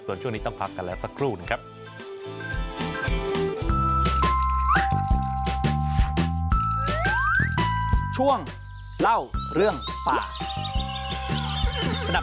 ส่วนช่วงนี้ต้องพักกันแล้วสักครู่หนึ่งครับ